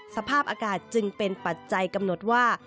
สภาพอากาศจึงเป็นปัจจัยกำหนดว่า